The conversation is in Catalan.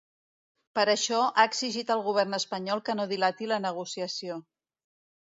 Per això ha exigit al govern espanyol que no dilati la negociació.